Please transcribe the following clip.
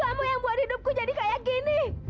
aku yang buat hidupku jadi kayak gini